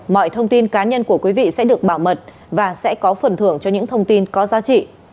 mọi thông tin cá nhân của quý vị sẽ được bảo mật và sẽ có phần thưởng cho những thông tin có giá trị